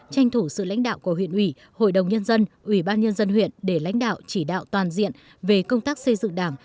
tranh thủ sự lãnh đạo của huyện ủy hội đồng nhân dân ủy ban nhân dân huyện để lãnh đạo chỉ đạo toàn diện về công tác xây dựng đảng